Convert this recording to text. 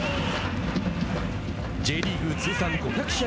Ｊリーグ通算５００試合